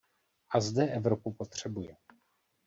A zde Evropu potřebuje.